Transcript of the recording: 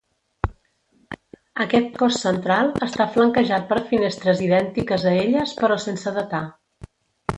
Aquest cos central està flanquejat per finestres idèntiques a elles però sense datar.